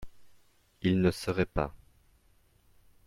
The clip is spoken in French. Il ne seraient pas